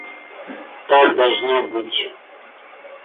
Так должно быть.